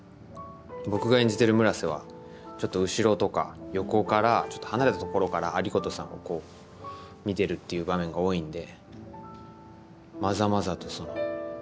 僕が演じている村瀬はちょっと後ろとか横から離れたところから有功さんを見てるっていう場面が多いので。